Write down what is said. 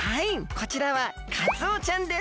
こちらはカツオちゃんです。